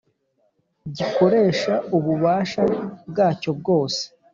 gikoresha ububasha bwacyo bwose